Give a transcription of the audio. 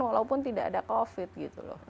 walaupun tidak ada covid gitu loh